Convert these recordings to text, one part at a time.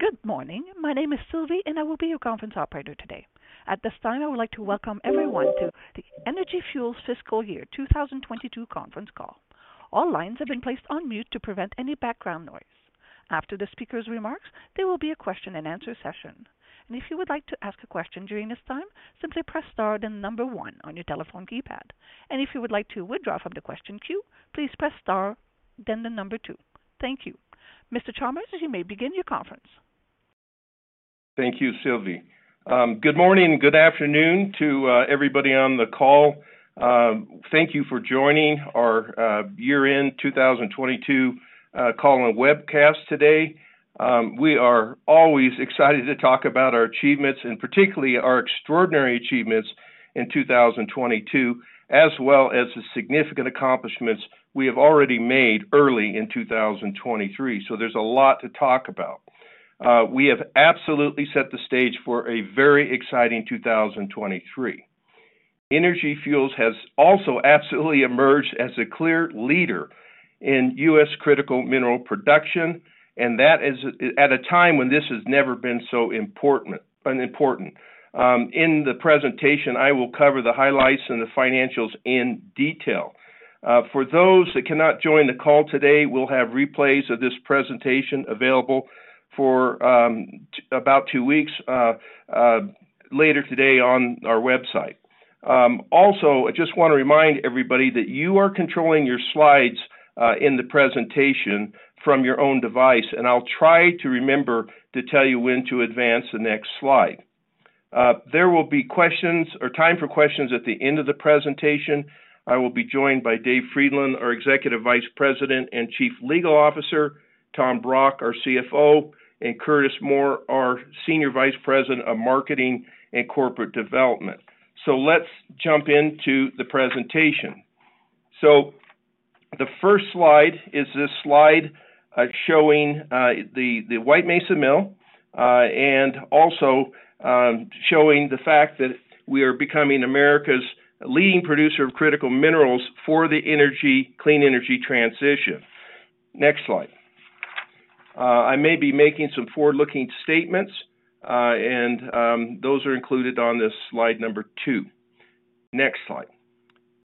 Good morning. My name is Sylvie. I will be your conference operator today. At this time, I would like to welcome everyone to the Energy Fuels Fiscal Year 2022 conference call. All lines have been placed on mute to prevent any background noise. After the speaker's remarks, there will be a question and answer session. If you would like to ask a question during this time, simply press star then one on your telephone keypad. If you would like to withdraw from the question queue, please press star then two. Thank you. Mr. Chalmers, you may begin your conference. Thank you, Sylvie. Good morning and good afternoon to everybody on the call. Thank you for joining our year-end 2022 call and webcast today. We are always excited to talk about our achievements, and particularly our extraordinary achievements in 2022, as well as the significant accomplishments we have already made early in 2023. There's a lot to talk about. We have absolutely set the stage for a very exciting 2023. Energy Fuels has also absolutely emerged as a clear leader in U.S. critical mineral production, and that is at a time when this has never been so important, unimportant. In the presentation, I will cover the highlights and the financials in detail. For those that cannot join the call today, we'll have replays of this presentation available for about two weeks later today on our website. Also, I just want to remind everybody that you are controlling your slides in the presentation from your own device, and I'll try to remember to tell you when to advance the next slide. There will be questions or time for questions at the end of the presentation. I will be joined by Dave Frydenlund, our Executive Vice President and Chief Legal Officer, Tom Brock, our CFO, and Curtis Moore, our Senior Vice President of Marketing and Corporate Development. Let's jump into the presentation. The first slide is a slide showing the White Mesa Mill and also showing the fact that we are becoming America's leading producer of critical minerals for the clean energy transition. Next slide. I may be making some forward-looking statements, and those are included on this slide number 2. Next slide.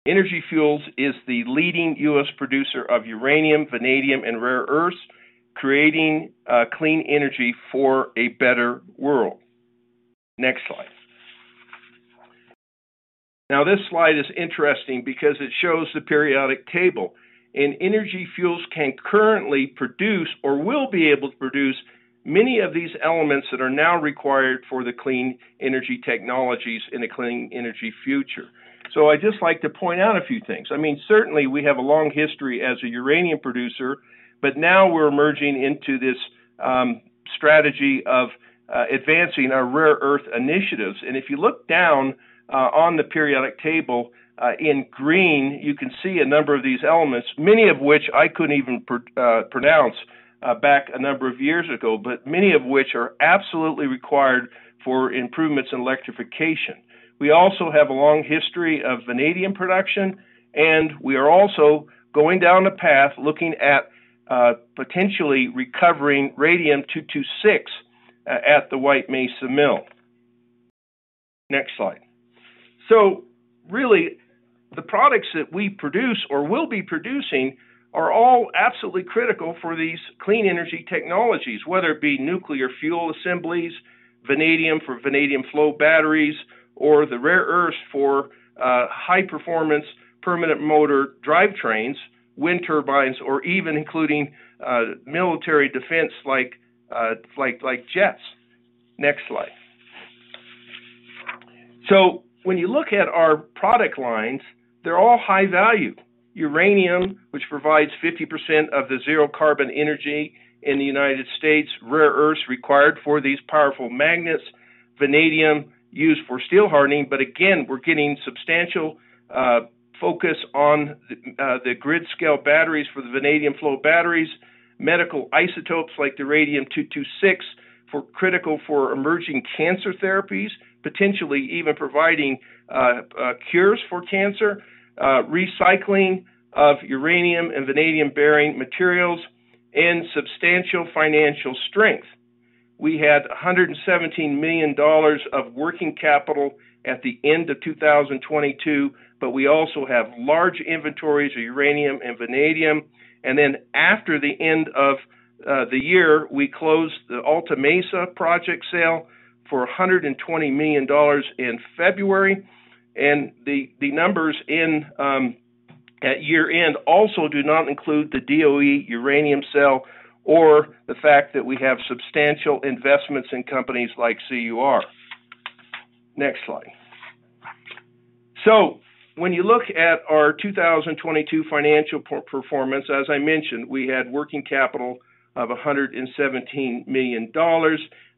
Energy Fuels is the leading U.S. producer of uranium, vanadium, and rare earths, creating clean energy for a better world. Next slide. This slide is interesting because it shows the periodic table, and Energy Fuels can currently produce or will be able to produce many of these elements that are now required for the clean energy technologies in a clean energy future. I'd just like to point out a few things. I mean, certainly we have a long history as a uranium producer, but now we're emerging into this strategy of advancing our rare earth initiatives. If you look down on the periodic table, in green, you can see a number of these elements, many of which I couldn't even pronounce back a number of years ago, but many of which are absolutely required for improvements in electrification. We also have a long history of vanadium production, and we are also going down a path looking at potentially recovering radium-226 at the White Mesa Mill. Next slide. Really the products that we produce or will be producing are all absolutely critical for these clean energy technologies, whether it be nuclear fuel assemblies, vanadium for vanadium flow batteries or the rare earths for high performance permanent motor drivetrains, wind turbines, or even including military defense like jets. Next slide. When you look at our product lines, they're all high value. Uranium, which provides 50% of the zero carbon energy in the United States, rare earths required for these powerful magnets, vanadium used for steel hardening. Again, we're getting substantial focus on the grid scale batteries for the vanadium flow batteries, medical isotopes like the radium-226 critical for emerging cancer therapies, potentially even providing cures for cancer, recycling of uranium and vanadium-bearing materials and substantial financial strength. We had $117 million of working capital at the end of 2022, but we also have large inventories of uranium and vanadium. After the end of the year, we closed the Alta Mesa project sale for $120 million in February. The numbers in at year-end also do not include the DOE uranium sale or the fact that we have substantial investments in companies like CUR. Next slide. When you look at our 2022 financial performance, as I mentioned, we had working capital of $117 million.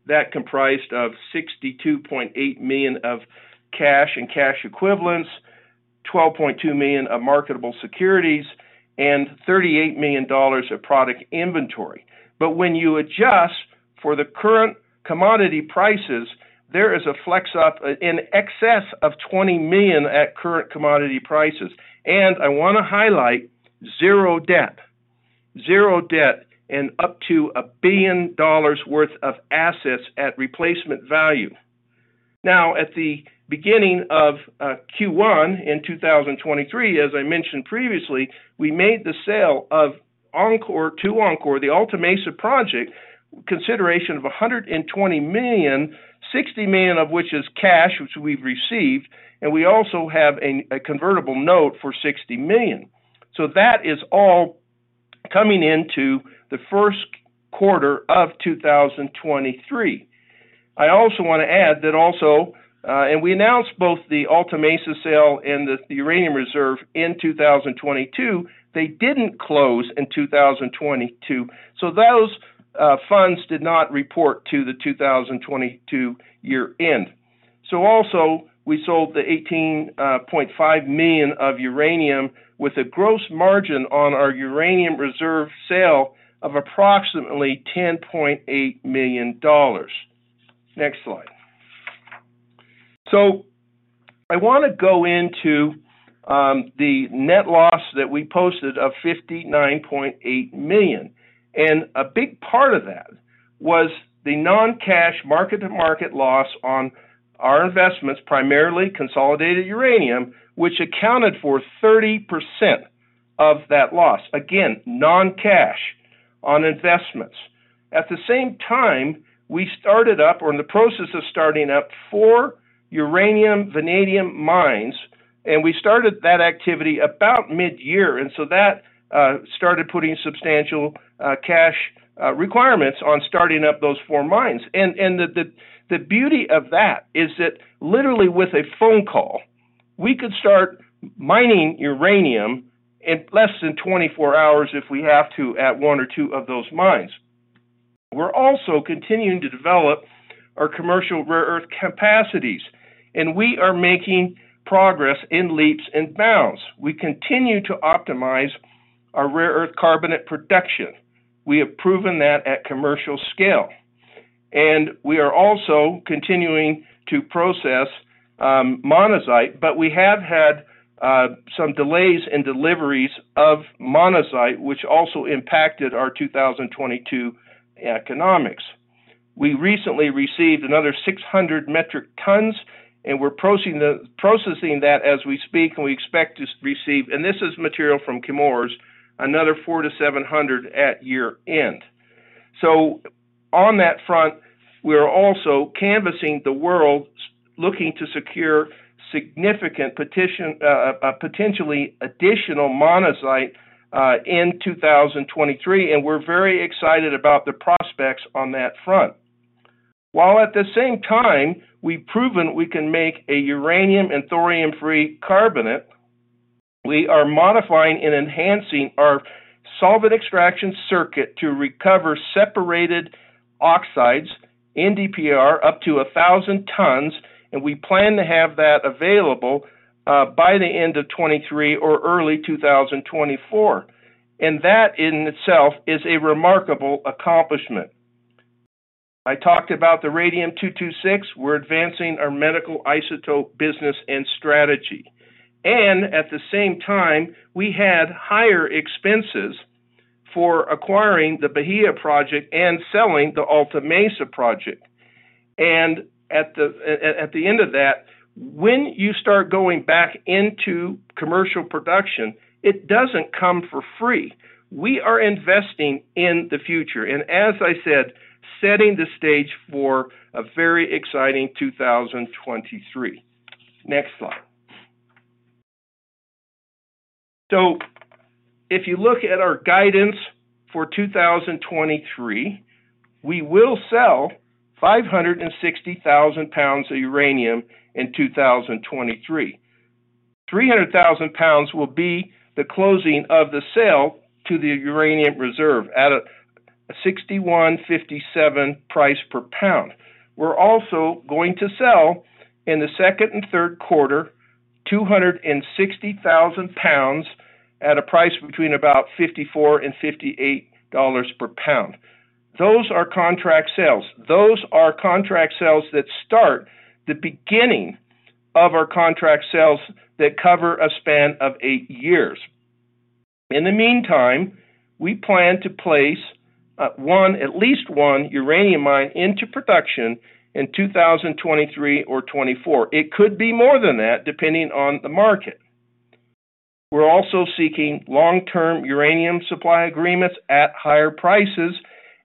That comprised of $62.8 million of cash and cash equivalents, $12.2 million of marketable securities, and $38 million of product inventory. When you adjust for the current commodity prices. There is a flex up in excess of $20 million at current commodity prices. I want to highlight zero debt. Zero debt and up to $1 billion worth of assets at replacement value. At the beginning of Q1 in 2023, as I mentioned previously, we made the sale of enCore to enCore, the Alta Mesa project, consideration of $120 million, $60 million of which is cash, which we've received, and we also have a convertible note for $60 million. That is all coming into the first quarter of 2023. I also wanna add that also, and we announced both the Alta Mesa sale and the Uranium Reserve in 2022. They didn't close in 2022. Those funds did not report to the 2022 year-end. Also, we sold the $18.5 million of uranium with a gross margin on our Uranium Reserve sale of approximately $10.8 million. Next slide. I wanna go into the net loss that we posted of $59.8 million. A big part of that was the non-cash market-to-market loss on our investments, primarily Consolidated Uranium, which accounted for 30% of that loss. Again, non-cash on investments. At the same time, we started up or in the process of starting up four uranium, vanadium mines, and we started that activity about mid-year. That started putting substantial cash requirements on starting up those four mines. The beauty of that is that literally with a phone call, we could start mining uranium in less than 24 hours if we have to at one or two of those mines. We're also continuing to develop our commercial rare earth capacities, and we are making progress in leaps and bounds. We continue to optimize our rare earth carbonate production. We have proven that at commercial scale. We are also continuing to process monazite, but we have had some delays in deliveries of monazite, which also impacted our 2022 economics. We recently received another 600 metric tons, and we're processing that as we speak, and we expect to receive, and this is material from Chemours, another 400-700 at year-end. On that front, we're also canvassing the world, looking to secure significant potentially additional monazite in 2023, and we're very excited about the prospects on that front. While at the same time, we've proven we can make a uranium and thorium-free carbonate, we are modifying and enhancing our solvent extraction circuit to recover separated oxides in NdPr up to 1,000 tons, and we plan to have that available by the end of 2023 or early 2024. That in itself is a remarkable accomplishment. I talked about the radium-226. We're advancing our medical isotope business and strategy. At the same time, we had higher expenses for acquiring the Bahia project and selling the Alta Mesa project. At the end of that, when you start going back into commercial production, it doesn't come for free. We are investing in the future and as I said, setting the stage for a very exciting 2023. Next slide. If you look at our guidance for 2023, we will sell 560,000 pounds of uranium in 2023. 300,000 pounds will be the closing of the sale to the Uranium Reserve at a $61.57 price per pound. We're also going to sell in the second and third quarter, 260,000 pounds at a price between about $54 and $58 per pound. Those are contract sales. Those are contract sales that start the beginning of our contract sales that cover a span of 8 years. In the meantime, we plan to place, one, at least one uranium mine into production in 2023 or 2024. It could be more than that depending on the market. We're also seeking long-term uranium supply agreements at higher prices,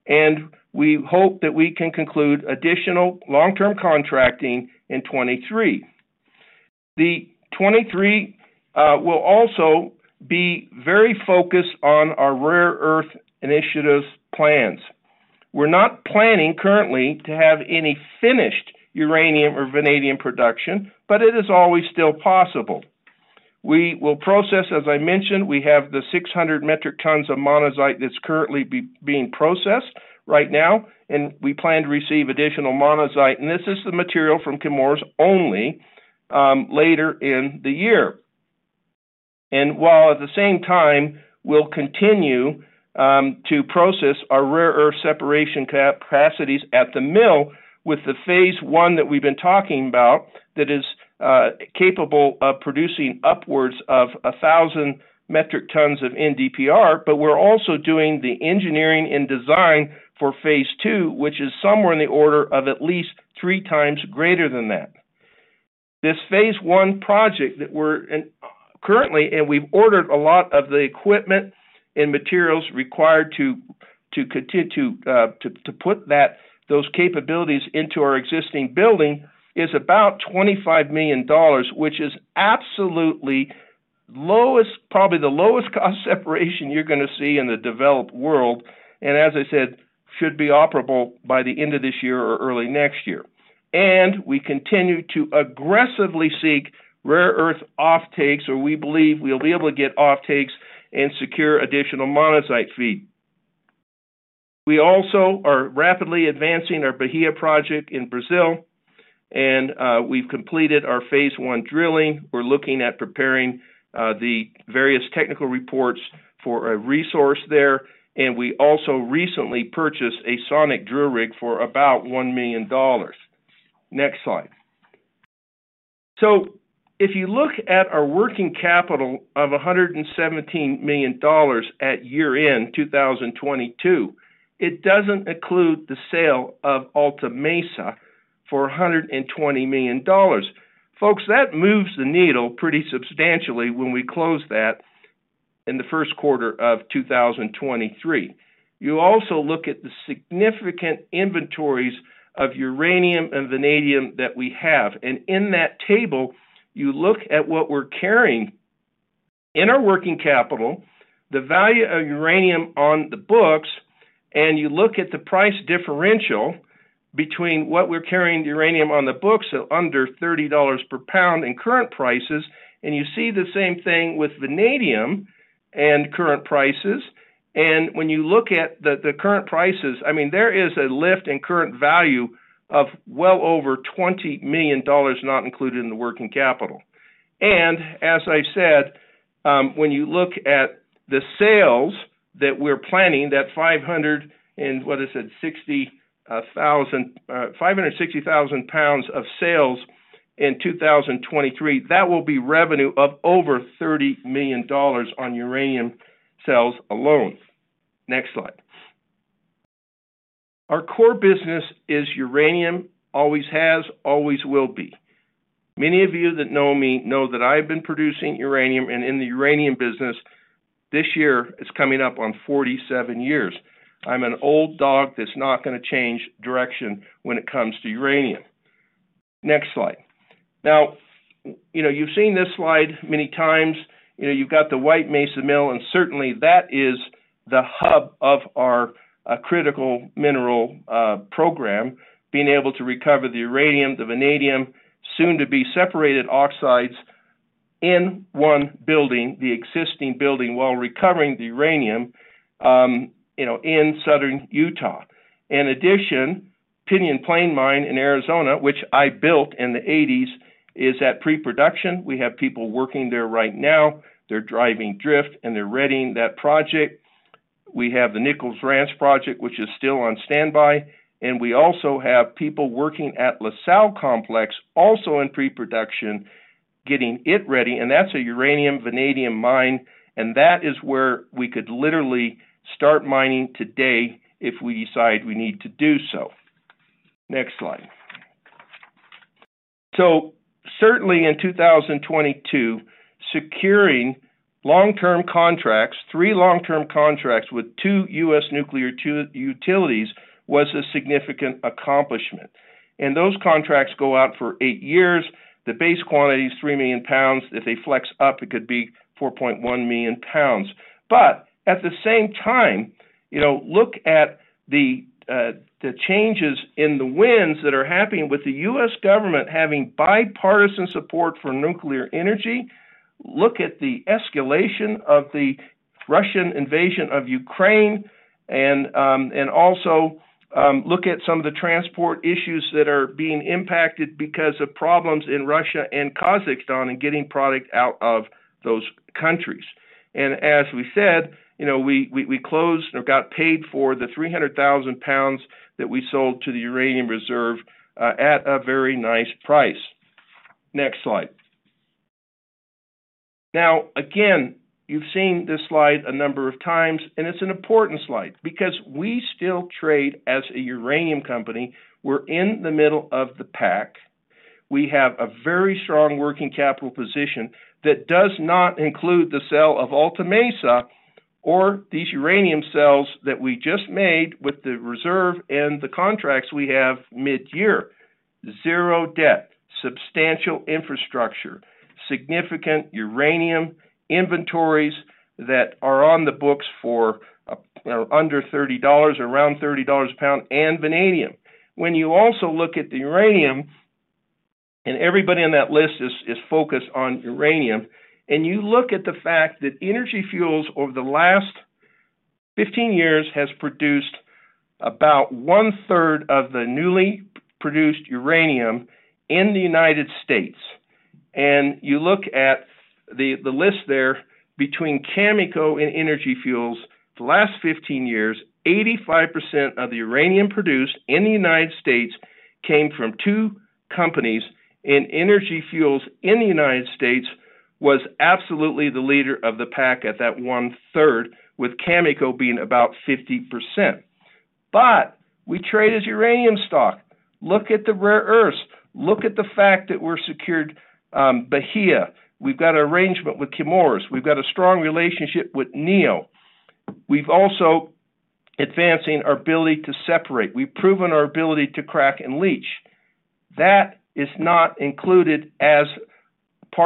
and we hope that we can conclude additional long-term contracting in 2023. The 2023 will also be very focused on our rare earth initiatives plans. We're not planning currently to have any finished uranium or vanadium production, but it is always still possible. We will process, as I mentioned, we have the 600 metric tons of monazite that's currently being processed right now, we plan to receive additional monazite, and this is the material from Chemours only, later in the year. While at the same time, we'll continue to process our rare earth separation capacities at the mill with the phase I that we've been talking about that is capable of producing upwards of 1,000 metric tons of NdPr. We're also doing the engineering and design for phase II, which is somewhere in the order of at least three times greater than that. This phase I project that we're in currently, we've ordered a lot of the equipment and materials required to continue to put those capabilities into our existing building, is about $25 million, which is absolutely lowest, probably the lowest cost separation you're gonna see in the developed world. As I said, should be operable by the end of this year or early next year. We continue to aggressively seek rare earth off takes, or we believe we'll be able to get off takes and secure additional monazite feed. We also are rapidly advancing our Bahia project in Brazil, we've completed our phase I drilling. We're looking at preparing the various technical reports for a resource there, we also recently purchased a sonic drill rig for about $1 million. Next slide. If you look at our working capital of $100 million at year-end 2022, it doesn't include the sale of Alta Mesa for $120 million. Folks, that moves the needle pretty substantially when we close that in the first quarter of 2023. You also look at the significant inventories of uranium and vanadium that we have. In that table, you look at what we're carrying in our working capital, the value of uranium on the books, and you look at the price differential between what we're carrying uranium on the books at under $30 per pound in current prices, and you see the same thing with vanadium and current prices. When you look at the current prices, I mean, there is a lift in current value of well over $20 million not included in the working capital. As I said, when you look at the sales that we're planning, that 560,000 pounds of sales in 2023, that will be revenue of over $30 million on uranium sales alone. Next slide. Our core business is uranium. Always has, always will be. Many of you that know me know that I've been producing uranium and in the uranium business, this year is coming up on 47 years. I'm an old dog that's not gonna change direction when it comes to uranium. Next slide. You know, you've seen this slide many times. You know, you've got the White Mesa mill, and certainly, that is the hub of our critical mineral program, being able to recover the uranium, the vanadium, soon to be separated oxides in one building, the existing building, while recovering the uranium, you know, in southern Utah. In addition, Pinyon Plain mine in Arizona, which I built in the 80s, is at pre-production. We have people working there right now. They're driving drift, and they're readying that project. We have the Nichols Ranch project, which is still on standby, and we also have people working at La Sal complex, also in pre-production, getting it ready, and that's a uranium, vanadium mine, and that is where we could literally start mining today if we decide we need to do so. Next slide. Certainly in 2022, securing long-term contracts, three long-term contracts with two U.S. nuclear utilities was a significant accomplishment. Those contracts go out for eight years. The base quantity is 3 million pounds. If they flex up, it could be 4.1 million pounds. At the same time, you know, look at the changes in the winds that are happening with the U.S. government having bipartisan support for nuclear energy. Look at the escalation of the Russian invasion of Ukraine and also look at some of the transport issues that are being impacted because of problems in Russia and Kazakhstan in getting product out of those countries. As we said, you know, we closed or got paid for the 300,000 pounds that we sold to the Uranium Reserve at a very nice price. Next slide. Again, you've seen this slide a number of times, and it's an important slide because we still trade as a uranium company. We're in the middle of the pack. We have a very strong working capital position that does not include the sale of Alta Mesa or these uranium sales that we just made with the Reserve and the contracts we have mid-year. Zero debt, substantial infrastructure, significant uranium inventories that are on the books for, you know, under $30 or around $30 a pound, and vanadium. You also look at the uranium, and everybody on that list is focused on uranium, and you look at the fact that Energy Fuels over the last 15 years has produced about 1/3 of the newly produced uranium in the United States. You look at the list there between Cameco and Energy Fuels for the last 15 years, 85% of the uranium produced in the United States came from two companies, Energy Fuels in the United States was absolutely the leader of the pack at that 1/3, with Cameco being about 50%. We trade as uranium stock. Look at the rare earths. Look at the fact that we're secured, Bahia. We've got an arrangement with Chemours. We've got a strong relationship with Neo. We've also advancing our ability to separate. We've proven our ability to crack and leach. That is not included as part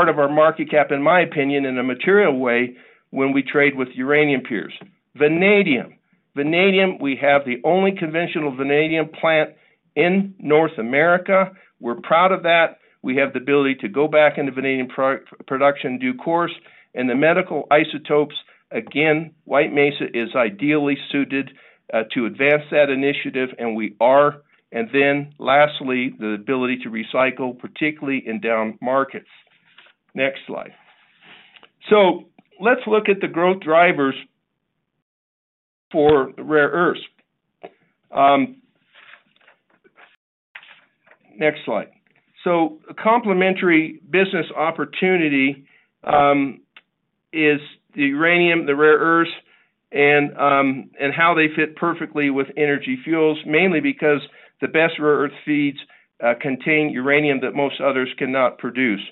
of our market cap, in my opinion, in a material way when we trade with uranium peers. Vanadium. Vanadium, we have the only conventional vanadium plant in North America. We're proud of that. We have the ability to go back into vanadium pro-production in due course, and the medical isotopes, again, White Mesa is ideally suited to advance that initiative, and we are. Then lastly, the ability to recycle, particularly in down markets. Next slide. Let's look at the growth drivers for rare earths. Next slide. A complementary business opportunity is the uranium, the rare earths, and how they fit perfectly with Energy Fuels, mainly because the best rare earth feeds contain uranium that most others cannot produce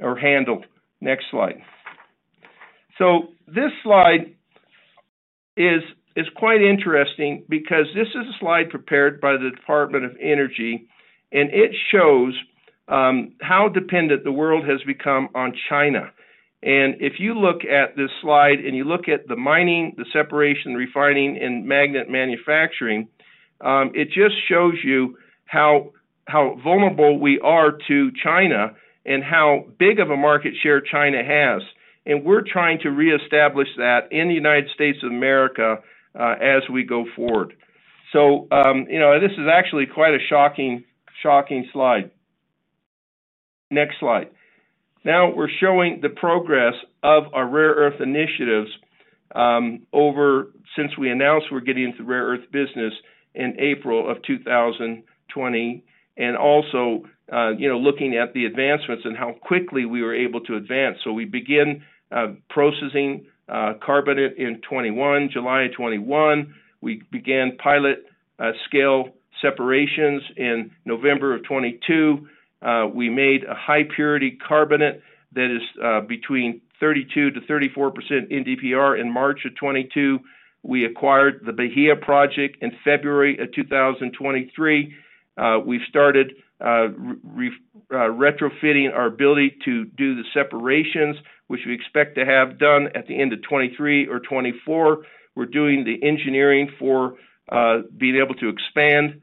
or handle. Next slide. This slide is quite interesting because this is a slide prepared by the Department of Energy, and it shows how dependent the world has become on China. If you look at this slide and you look at the mining, the separation, refining and magnet manufacturing, it just shows you how vulnerable we are to China and how big of a market share China has. We're trying to reestablish that in the United States of America as we go forward. You know, this is actually quite a shocking slide. Next slide. Now we're showing the progress of our rare earth initiatives since we announced we're getting into rare earth business in April of 2020. You know, looking at the advancements and how quickly we were able to advance. We begin processing carbonate in 2021. July of 2021, we began pilot scale separations. In November of 2022, we made a high purity carbonate that is between 32%-34% NdPr. In March of 2022, we acquired the Bahia project. In February of 2023, we started retrofitting our ability to do the separations, which we expect to have done at the end of 2023 or 2024. We're doing the engineering for being able to expand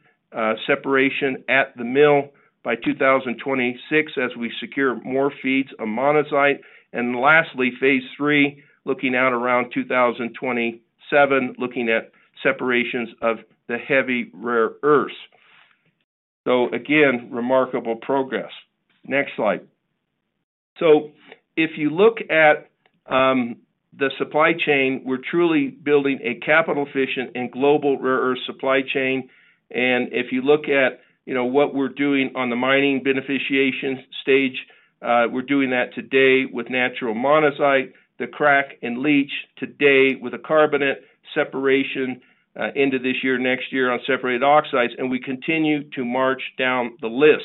separation at the mill by 2026 as we secure more feeds of monazite. Lastly, phase III, looking out around 2027, looking at separations of the heavy rare earths. Again, remarkable progress. Next slide. If you look at the supply chain, we're truly building a capital efficient and global rare earth supply chain. If you look at, you know, what we're doing on the mining beneficiation stage, we're doing that today with natural monazite, the crack and leach today with a rare earth carbonate separation, into this year, next year on separated oxides. We continue to march down the list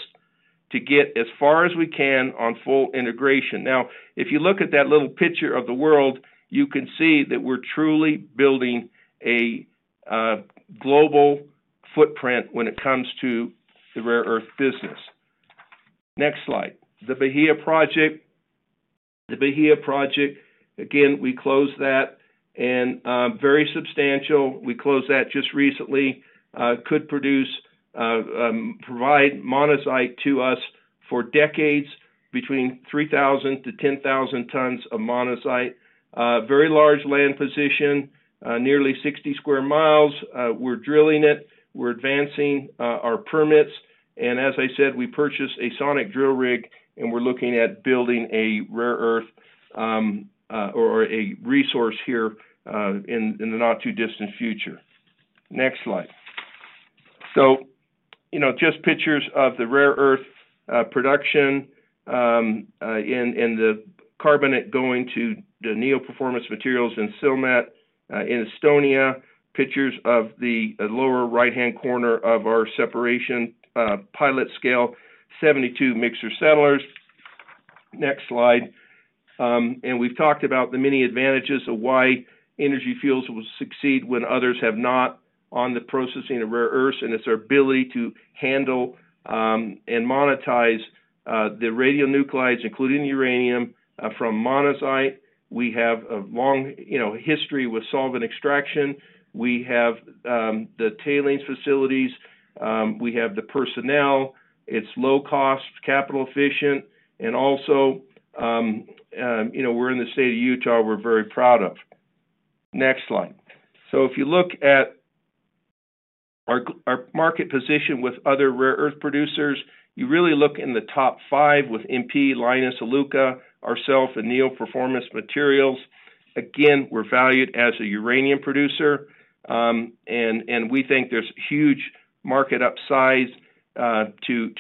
to get as far as we can on full integration. Now, if you look at that little picture of the world, you can see that we're truly building a global footprint when it comes to the rare earth business. Next slide. The Bahia project. The Bahia project, again, we closed that and very substantial. We closed that just recently. Could produce, provide monazite to us for decades between 3,000 tons-10,000 tons of monazite. Very large land position, nearly 60 sq mi. We're drilling it. We're advancing our permits. As I said, we purchased a sonic drill rig, and we're looking at building a rare earth, or a resource here, in the not-too-distant future. Next slide. You know, just pictures of the rare earth production, and the carbonate going to the Neo Performance Materials in Silmet in Estonia. Pictures of the lower right-hand corner of our separation pilot scale 72 mixer settlers. Next slide. We've talked about the many advantages of why Energy Fuels will succeed when others have not on the processing of rare earths, and it's our ability to handle and monetize the radionuclides, including uranium, from monazite. We have a long, you know, history with solvent extraction. We have the tailings facilities, we have the personnel. It's low cost, capital efficient, and also, you know, we're in the state of Utah we're very proud of. Next slide. If you look at our market position with other rare earth producers, you really look in the top five with MP, Lynas, Iluka, ourself, and Neo Performance Materials. We're valued as a uranium producer, and we think there's huge market upside to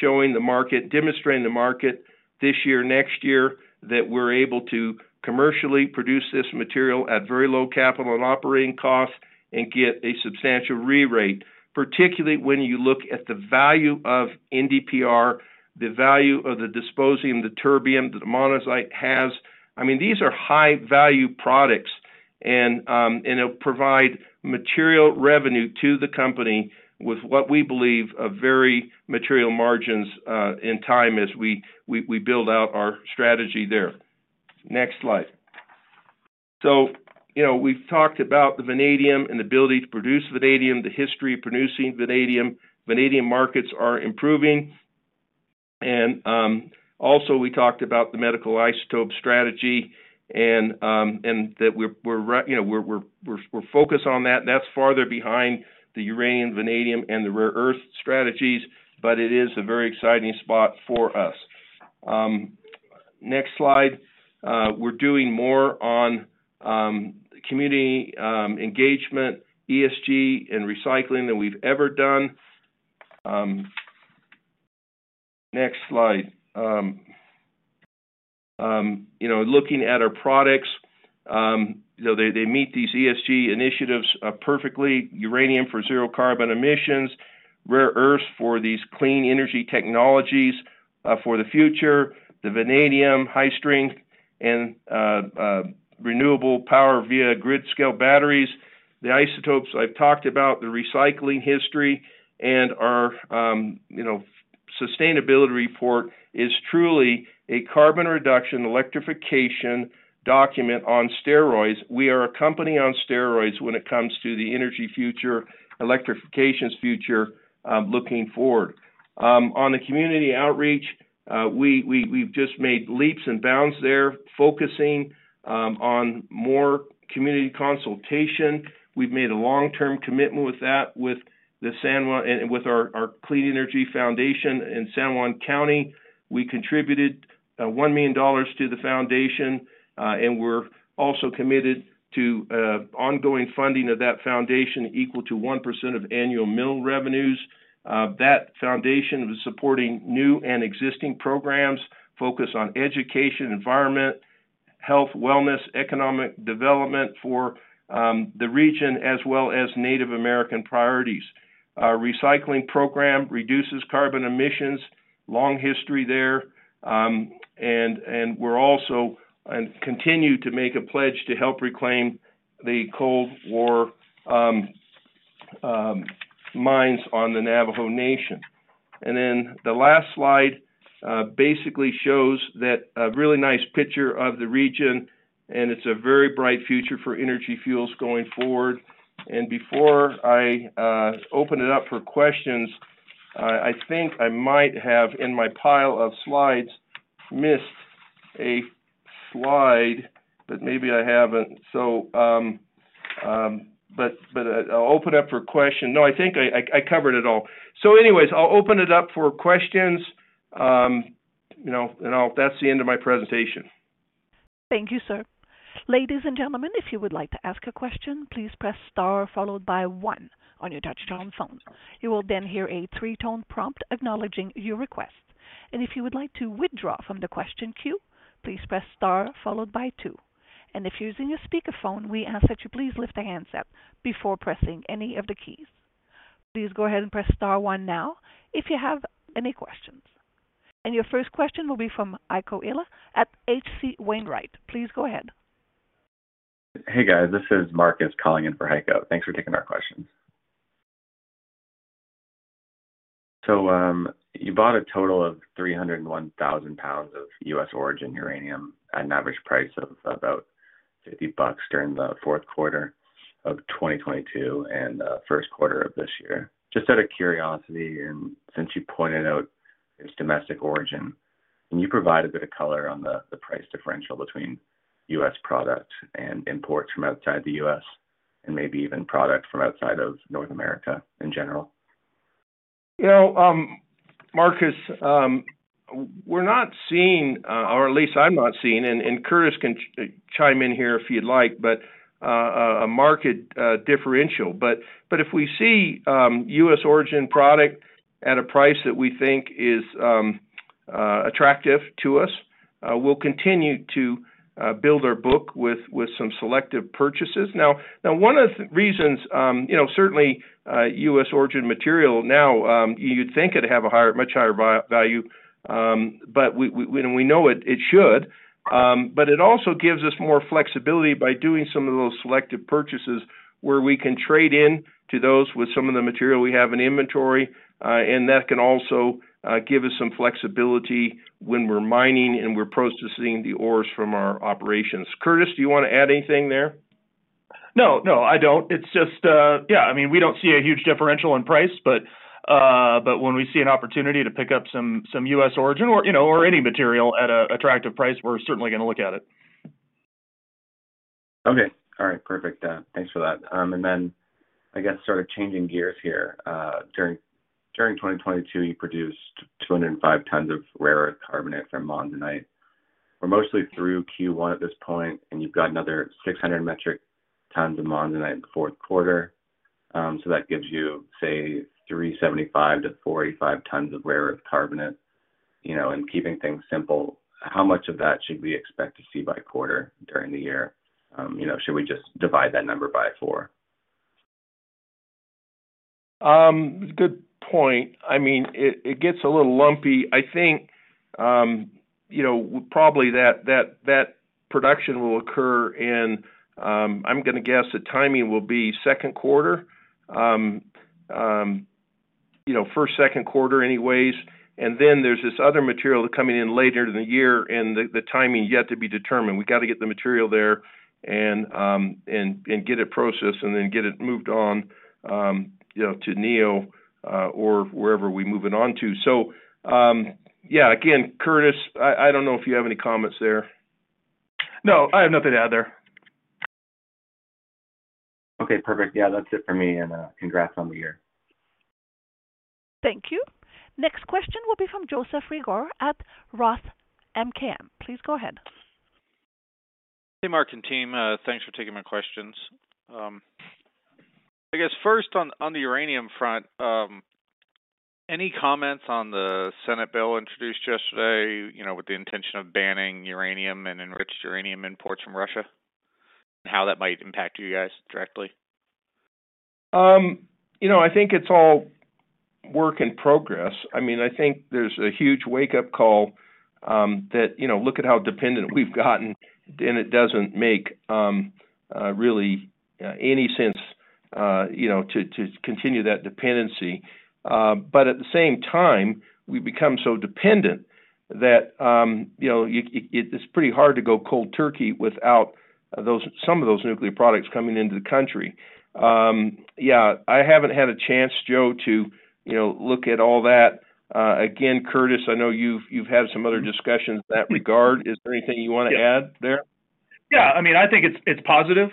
showing the market, demonstrating the market this year, next year that we're able to commercially produce this material at very low capital and operating costs and get a substantial re-rate. Particularly when you look at the value of NdPr, the value of the dysprosium, the terbium that the monazite has. I mean, these are high-value products, and it'll provide material revenue to the company with what we believe are very material margins in time as we build out our strategy there. Next slide. You know, we've talked about the vanadium and the ability to produce vanadium, the history of producing vanadium. Vanadium markets are improving. Also we talked about the medical isotope strategy, and that we're, you know, we're focused on that. That's farther behind the uranium, vanadium, and the rare earth strategies, but it is a very exciting spot for us. Next slide. We're doing more on community engagement, ESG, and recycling than we've ever done. Next slide. You know, looking at our products, you know, they meet these ESG initiatives perfectly. Uranium for zero carbon emissions, rare earths for these clean energy technologies, for the future, the vanadium, high strength, and renewable power via grid scale batteries. The isotopes I've talked about, the recycling history and our, you know, sustainability report is truly a carbon reduction electrification document on steroids. We are a company on steroids when it comes to the energy future, electrifications future, looking forward. On the community outreach, we've just made leaps and bounds there, focusing on more community consultation. We've made a long-term commitment with that with the San Juan and with our San Juan County Clean Energy Foundation. We contributed $1 million to the foundation, and we're also committed to ongoing funding of that foundation equal to 1% of annual mill revenues. That foundation is supporting new and existing programs, focus on education, environment, health, wellness, economic development for the region as well as Native American priorities. Our recycling program reduces carbon emissions. Long history there. We're also continue to make a pledge to help reclaim the Cold War mines on the Navajo Nation. The last slide basically shows that a really nice picture of the region, and it's a very bright future for Energy Fuels going forward. Before I open it up for questions, I think I might have in my pile of slides missed a slide, but maybe I haven't. I'll open up for question. No, I think I covered it all. Anyways, I'll open it up for questions, you know, and that's the end of my presentation. Thank you, sir. Ladies and gentlemen, if you would like to ask a question, please press star followed by one on your touchtone phone. You will then hear a three-tone prompt acknowledging your request. If you would like to withdraw from the question queue, please press star followed by two. If you're using a speakerphone, we ask that you please lift the handset before pressing any of the keys. Please go ahead and press star one now if you have any questions. Your first question will be from Heiko Ihle at H.C. Wainwright & Co. Please go ahead. Hey, guys. This is Marcus calling in for Heiko. Thanks for taking our questions. You bought a total of 301,000 pounds of U.S. origin uranium at an average price of about $50 during the fourth quarter of 2022 and the first quarter of this year. Just out of curiosity and since you pointed out its domestic origin, can you provide a bit of color on the price differential between U.S. product and imports from outside the U.S. and maybe even product from outside of North America in general? You know, Marcus, we're not seeing, or at least I'm not seeing, and Curtis can chime in here if you'd like, a market differential. If we see U.S. origin product at a price that we think is attractive to us, we'll continue to build our book with some selective purchases. One of the reasons, you know, certainly, U.S. origin material now, you'd think it'd have a higher, much higher value, but we and we know it should. It also gives us more flexibility by doing some of those selective purchases where we can trade in to those with some of the material we have in inventory. That can also give us some flexibility when we're mining and we're processing the ores from our operations. Curtis, do you wanna add anything there? No, no, I don't. It's just. Yeah, I mean, we don't see a huge differential in price, but when we see an opportunity to pick up some U.S. origin or, you know, or any material at an attractive price, we're certainly gonna look at it. Okay. All right. Perfect. Thanks for that. I guess sort of changing gears here. During 2022, you produced 205 tons of rare earth carbonate from monazite. We're mostly through Q1 at this point, you've got another 600 metric tons of monazite in the fourth quarter. So that gives you, say, 375 tons-485 tons of rare earth carbonate. You know, keeping things simple, how much of that should we expect to see by quarter during the year? You know, should we just divide that number by four? Good point. I mean, it gets a little lumpy. I think, you know, probably that production will occur in, I'm gonna guess the timing will be second quarter. You know, first, second quarter anyways. There's this other material coming in later in the year and the timing yet to be determined. We got to get the material there and get it processed and then get it moved on, you know, to Neo, or wherever we move it on to. Yeah, again, Curtis, I don't know if you have any comments there. No, I have nothing to add there. Okay, perfect. Yeah, that's it for me. Congrats on the year. Thank you. Next question will be from Joseph Reagor at Roth MKM. Please go ahead. Hey, Mark and team. Thanks for taking my questions. I guess first on the uranium front, any comments on the Senate bill introduced yesterday, you know, with the intention of banning uranium and enriched uranium imports from Russia, and how that might impact you guys directly? You know, I think it's all work in progress. I mean, I think there's a huge wake-up call that, you know, look at how dependent we've gotten. It doesn't make really any sense, you know, to continue that dependency. At the same time, we become so dependent that, you know, it's pretty hard to go cold turkey without some of those nuclear products coming into the country. I haven't had a chance, Joe, to, you know, look at all that. Curtis, I know you've had some other discussions in that regard. Is there anything you want to add there? Yeah. I mean, I think it's positive.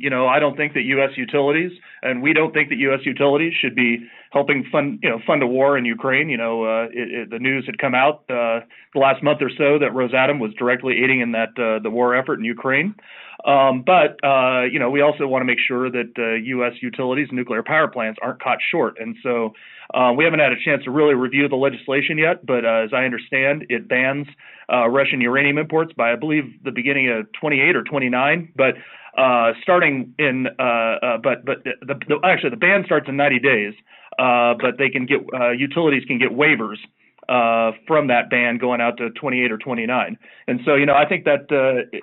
you know, I don't think that U.S. utilities, and we don't think that U.S. utilities should be helping fund, you know, fund a war in Ukraine. You know, the news had come out the last month or so that Rosatom was directly aiding in that the war effort in Ukraine. you know, we also want to make sure that U.S. utilities and nuclear power plants aren't caught short. We haven't had a chance to really review the legislation yet. as I understand, it bans Russian uranium imports by, I believe, the beginning of 2028 or 2029. starting in the... Actually, the ban starts in 90 days, but they can get utilities can get waivers from that ban going out to 2028 or 2029. You know, I think that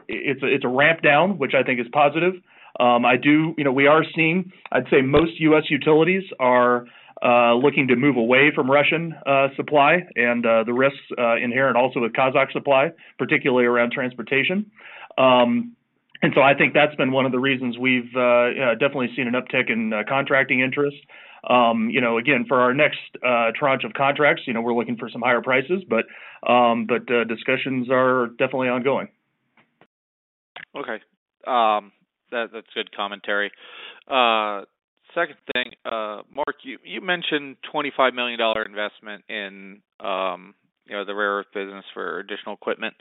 it's a ramp down, which I think is positive. You know, we are seeing, I'd say most U.S. utilities are looking to move away from Russian supply and the risks inherent also with Kazakh supply, particularly around transportation. I think that's been one of the reasons we've definitely seen an uptick in contracting interest. You know, again, for our next tranche of contracts, you know, we're looking for some higher prices, but discussions are definitely ongoing. Okay. That's good commentary. Second thing. Mark, you mentioned $25 million investment in, you know, the rare earth business for additional equipment.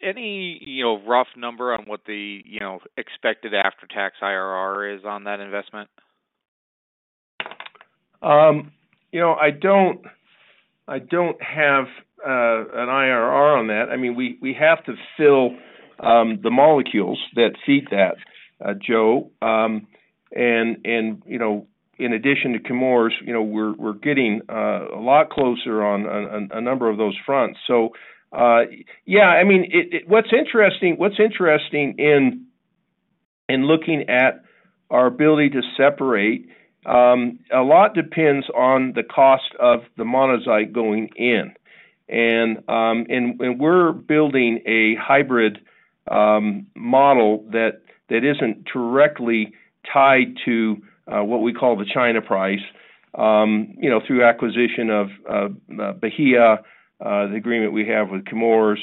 Any, you know, rough number on what the, you know, expected after-tax IRR is on that investment? You know, I don't have an IRR on that. I mean, we have to fill the molecules that feed that, Joe. You know, in addition to Chemours, you know, we're getting a lot closer on a number of those fronts. Yeah, I mean, what's interesting in looking at our ability to separate, a lot depends on the cost of the monazite going in. We're building a hybrid model that isn't directly tied to what we call the China price, you know, through acquisition of Bahia, the agreement we have with Chemours,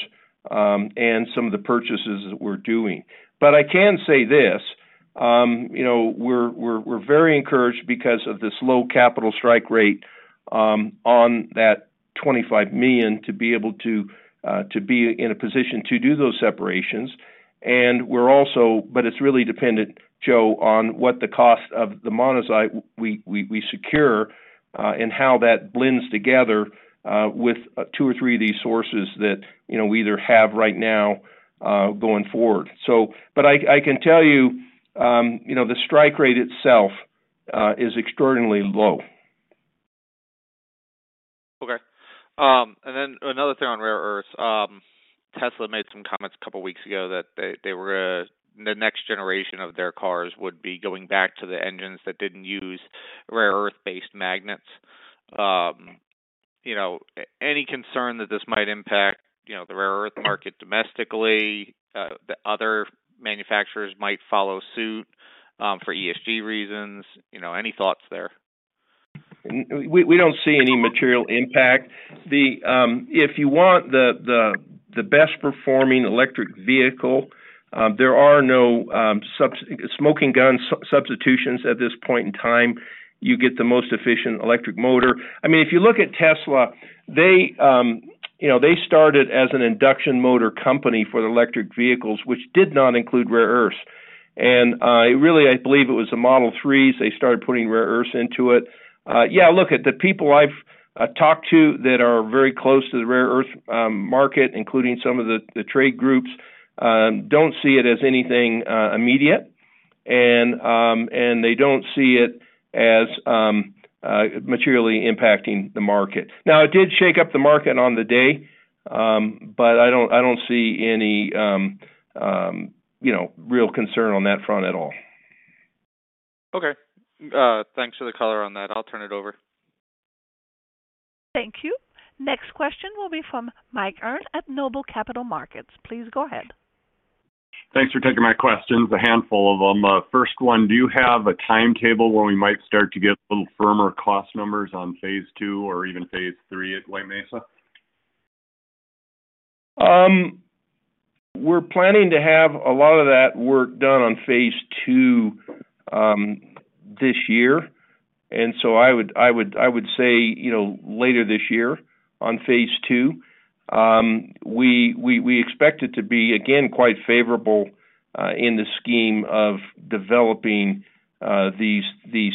and some of the purchases that we're doing. I can say this, you know, we're very encouraged because of this low capital strike rate on that $25 million to be able to be in a position to do those separations. We're also, but it's really dependent, Joe, on what the cost of the monazite we secure, and how that blends together with two or three of these sources that, you know, we either have right now, going forward. I can tell you know, the strike rate itself is extraordinarily low. Another thing on rare earths. Tesla made some comments a couple of weeks ago that they were, the next generation of their cars would be going back to the engines that didn't use rare earth-based magnets. You know, any concern that this might impact, you know, the rare earth market domestically, the other manufacturers might follow suit, for ESG reasons, you know, any thoughts there? We don't see any material impact. If you want the best-performing electric vehicle, there are no smoking gun substitutions at this point in time. You get the most efficient electric motor. I mean, if you look at Tesla, they, you know, they started as an induction motor company for the electric vehicles, which did not include rare earths. Really, I believe it was the Model 3s they started putting rare earths into it. Yeah, look, the people I've talked to that are very close to the rare earth market, including some of the trade groups, don't see it as anything immediate. They don't see it as materially impacting the market. Now, it did shake up the market on the day, but I don't see any, you know, real concern on that front at all. Thanks for the color on that. I'll turn it over. Thank you. Next question will be from Mark Reichman at Noble Capital Markets. Please go ahead. Thanks for taking my questions, a handful of them. First one, do you have a timetable where we might start to get a little firmer cost numbers on phase II or even phase III at White Mesa? We're planning to have a lot of that work done on phase II this year. I would say, you know, later this year on phase II. We expect it to be, again, quite favorable in the scheme of developing these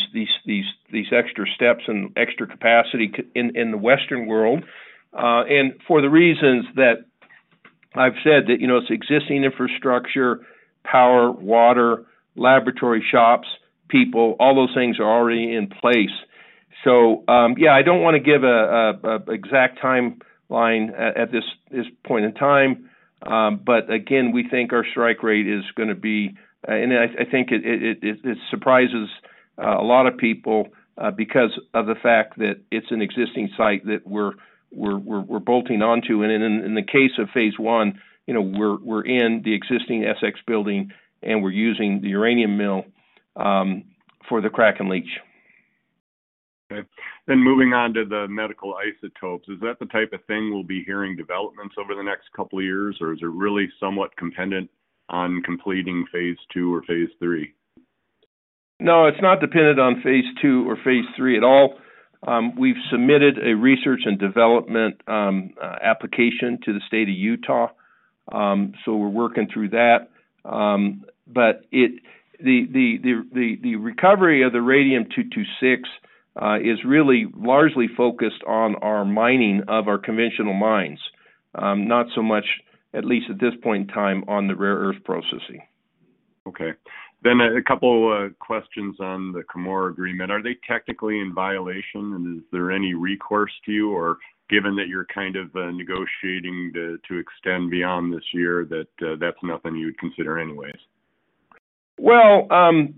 extra steps and extra capacity in the Western world. For the reasons that I've said that, you know, it's existing infrastructure, power, water, laboratory shops, people, all those things are already in place. Yeah, I don't wanna give an exact timeline at this point in time. But again, we think our strike rate is gonna be... I think it surprises a lot of people because of the fact that it's an existing site that we're bolting on to. In the case of phase I, you know, we're in the existing SX building, and we're using the uranium mill for the crack and leach. Okay. Moving on to the medical isotopes, is that the type of thing we'll be hearing developments over the next couple of years, or is it really somewhat dependent on completing phase II or phase III? No, it's not dependent on phase II or phase III at all. We've submitted a research and development application to the State of Utah. We're working through that. The recovery of the radium-226 is really largely focused on our mining of our conventional mines, not so much, at least at this point in time, on the rare earth processing. Okay. A couple questions on the Chemours agreement. Are they technically in violation, and is there any recourse to you? Given that you're kind of negotiating to extend beyond this year, that's nothing you would consider anyways. Well,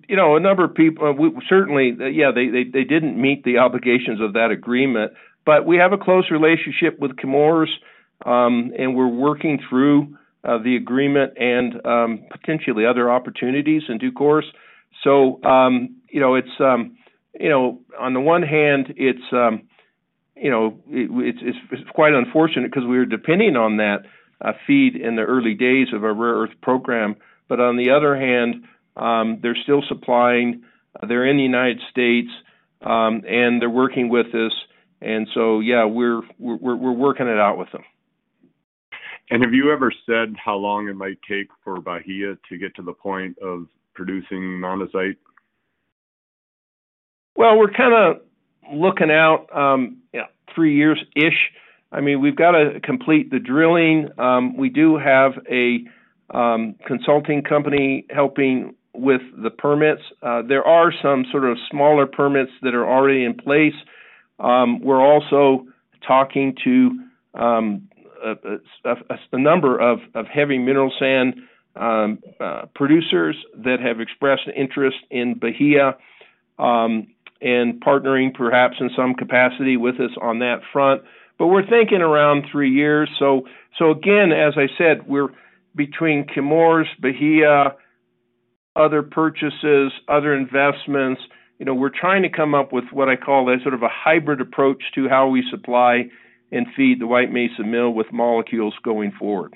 you know, a number of people. Yeah, they didn't meet the obligations of that agreement, but we have a close relationship with Chemours, and we're working through the agreement and potentially other opportunities in due course. You know, it's, you know, on the one hand, it's, you know, it's quite unfortunate 'cause we were depending on that feed in the early days of our rare earth program. On the other hand, they're still supplying, they're in the United States, and they're working with us, and so, yeah, we're working it out with them. Have you ever said how long it might take for Bahia to get to the point of producing monazite? Well, we're kinda looking out, yeah, three years-ish. I mean, we've got to complete the drilling. We do have a consulting company helping with the permits. There are some sort of smaller permits that are already in place. We're also talking to a number of heavy mineral sands producers that have expressed interest in Bahia and partnering perhaps in some capacity with us on that front. We're thinking around three years. Again, as I said, we're between Chemours, Bahia, other purchases, other investments. You know, we're trying to come up with what I call a sort of a hybrid approach to how we supply and feed the White Mesa Mill with molecules going forward.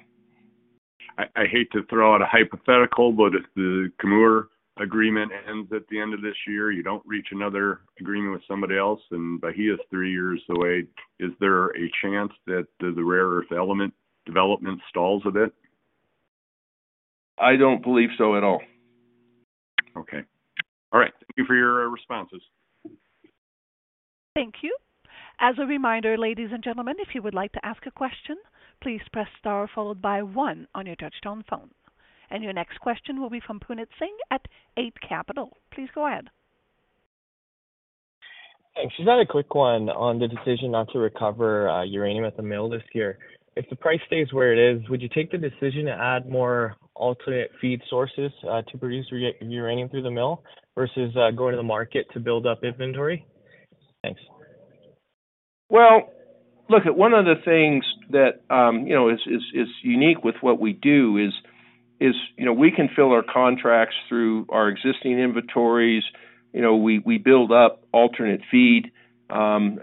I hate to throw out a hypothetical, but if the Chemours agreement ends at the end of this year, you don't reach another agreement with somebody else, and Bahia's three years away, is there a chance that the rare earth element development stalls a bit? I don't believe so at all. Okay. All right. Thank you for your responses. Thank you. As a reminder, ladies and gentlemen, if you would like to ask a question, please press star followed by one on your touchtone phone. Your next question will be from Puneet Singh at Eight Capital. Please go ahead. Thanks. Just had a quick one on the decision not to recover uranium at the mill this year. If the price stays where it is, would you take the decision to add more alternate feed sources to produce uranium through the mill versus going to the market to build up inventory? Thanks. Well, look at one of the things that, you know, is unique with what we do is, you know, we can fill our contracts through our existing inventories. You know, we build up alternate feed, and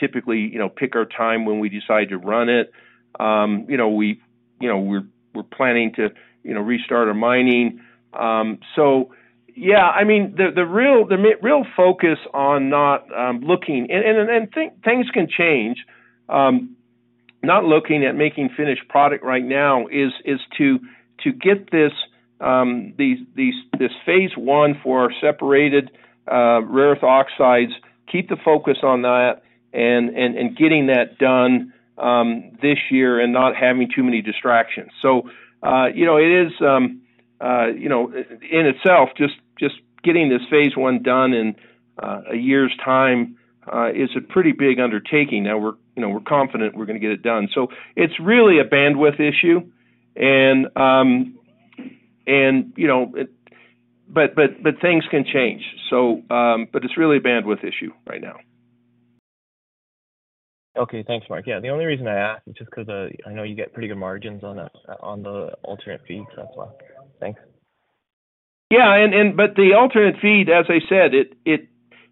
typically, you know, pick our time when we decide to run it. You know, we're planning to, you know, restart our mining. Yeah, I mean, the real focus on not looking and things can change. Not looking at making finished product right now is to get this these this phase I for our separated rare earth oxides, keep the focus on that and getting that done this year and not having too many distractions. You know, it is, you know, in itself, just getting this phase I done in a year's time is a pretty big undertaking. Now we're, you know, we're confident we're gonna get it done. It's really a bandwidth issue and you know. Things can change, so, but it's really a bandwidth issue right now. Okay. Thanks, Mark. Yeah, the only reason I ask is just 'cause I know you get pretty good margins on the, on the alternate feed, that's why. Thanks. Yeah. The alternate feed, as I said, it,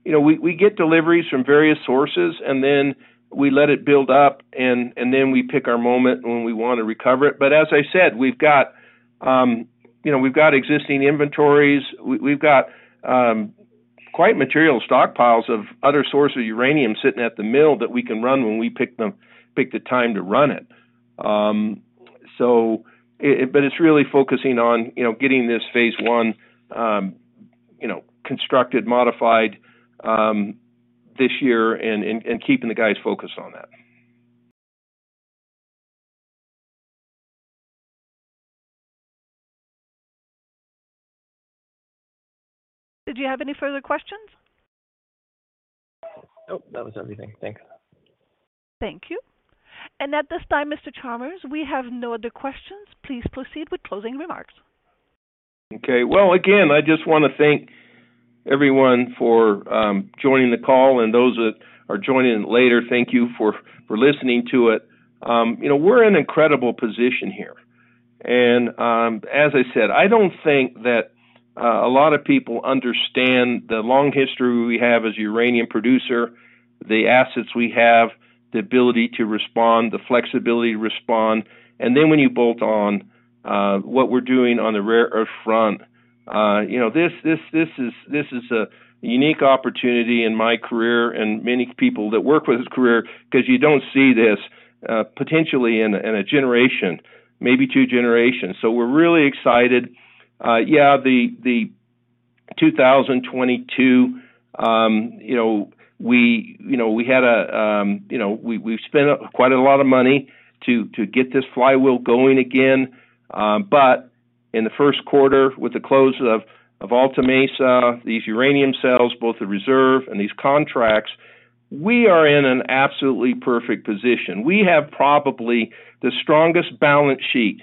you know, we get deliveries from various sources, and then we let it build up, and then we pick our moment when we wanna recover it. As I said, we've got, you know, we've got existing inventories. We've got quite material stockpiles of other sources of uranium sitting at the mill that we can run when we pick the time to run it. It's really focusing on, you know, getting this phase I, constructed, modified, this year and keeping the guys focused on that. Did you have any further questions? Nope. That was everything. Thanks. Thank you. At this time, Mr. Chalmers, we have no other questions. Please proceed with closing remarks. Well, again, I just wanna thank everyone for joining the call and those that are joining later, thank you for listening to it. You know, we're in an incredible position here. As I said, I don't think that a lot of people understand the long history we have as a uranium producer, the assets we have, the ability to respond, the flexibility to respond. Then when you bolt on what we're doing on the rare earth front, you know, this is a unique opportunity in my career and many people that work with us career 'cause you don't see this potentially in a generation, maybe two generations. We're really excited. Yeah, the 2022, you know, we've spent quite a lot of money to get this flywheel going again. In the first quarter, with the close of Alta Mesa, these uranium sales, both the Reserve and these contracts, we are in an absolutely perfect position. We have probably the strongest balance sheet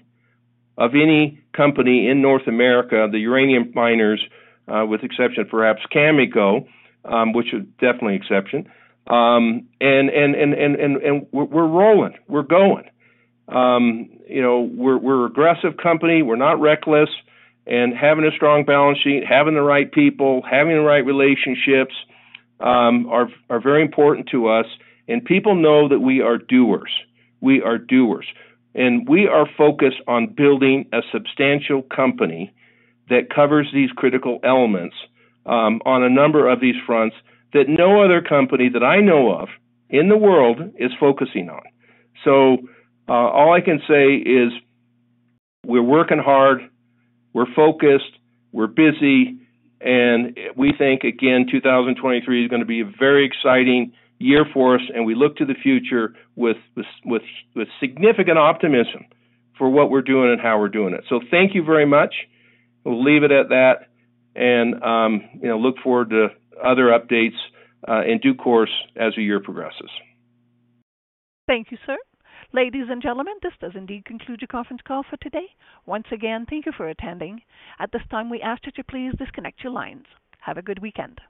of any company in North America, the uranium miners, with exception perhaps Cameco, which is definitely exception. We're rolling. We're going. You know, we're an aggressive company. We're not reckless. Having a strong balance sheet, having the right people, having the right relationships, are very important to us. People know that we are doers. We are doers, and we are focused on building a substantial company that covers these critical elements, on a number of these fronts that no other company that I know of in the world is focusing on. All I can say is we're working hard, we're focused, we're busy, and we think, again, 2023 is gonna be a very exciting year for us, and we look to the future with significant optimism for what we're doing and how we're doing it. Thank you very much. We'll leave it at that and, you know, look forward to other updates in due course as the year progresses. Thank you, sir. Ladies and gentlemen, this does indeed conclude your conference call for today. Once again, thank you for attending. At this time, we ask that you please disconnect your lines. Have a good weekend.